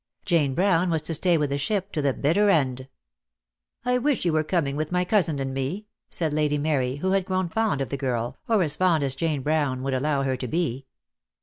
Jane Brown was to stay with the ship to the bitter end. "I wish you were coming with my cousin and me," said Lady Mary, who had grown fond of the girl, or as fond as Jane Brown would allow her to be.